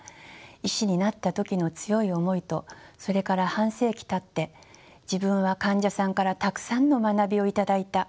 医師になった時の強い思いとそれから半世紀たって自分は患者さんからたくさんの学びを頂いた。